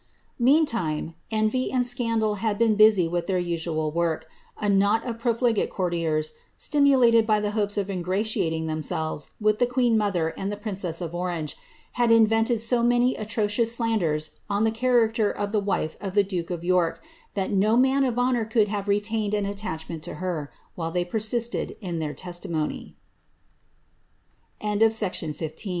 ' Meantime envy and scandal had been busy with their usual work ; t knot of profligate courtiers, stimulated by the hopes of ingratiating thein selves with the queen mother and the princess of Orange, had invented so many atrocious slanders on the character of the wife of the duke of York, Uiat no man of honour could have retained an attachment to hef) while they persiste